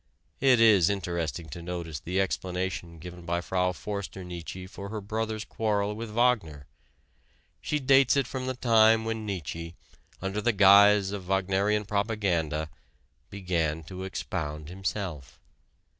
It is interesting to notice the explanation given by Frau Förster Nietzsche for her brother's quarrel with Wagner. She dates it from the time when Nietzsche, under the guise of Wagnerian propaganda, began to expound himself.